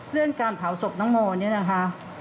เรื่องการเผาศพน้องโมเนี่ยนะคะ